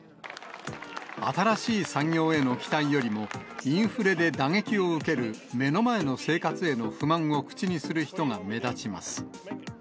新しい産業への期待よりも、インフレで打撃を受ける目の前の生活への不満を口にする人が目立ちます。